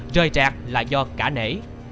rời trạt là do cả nể